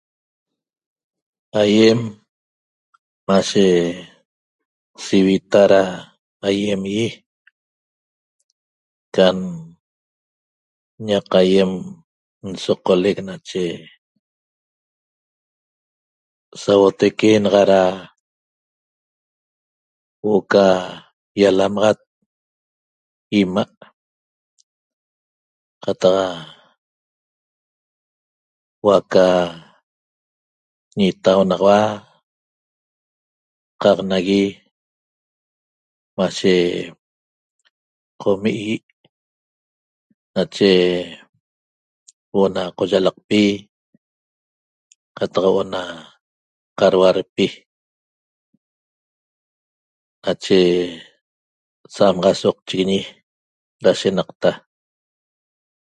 Aiem mashe sivita da aiemda hie' can naca aiem insoccoleq nache ca saboteque naxa huo'o ca ialamaxat ima' cataxa huaca ñataunaxa qaq naguie mashe comii nache huo'o na coyalaqpi qataq huo'o na carhualpi nache samaqsoxochigui da shienaqta